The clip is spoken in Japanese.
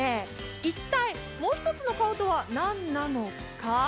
一体、もう一つの顔とはなんなのか。